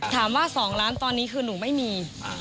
ถามว่า๒ล้านตอนนี้คือหนูไม่มี